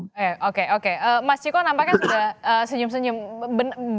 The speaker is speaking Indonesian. mas ciko nampaknya sudah senyum senyum